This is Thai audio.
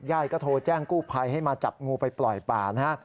ก็โทรแจ้งกู้ภัยให้มาจับงูไปปล่อยป่านะฮะ